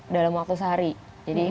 dalam waktu sehari